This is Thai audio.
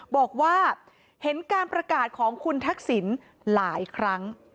บอกว่าเห็นการประกาศของคุณทักษิณหลายครั้ง